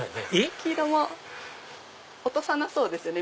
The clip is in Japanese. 黄色も落とさなそうですよね